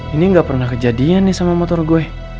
ini gapernah kejadian nih sama motor gue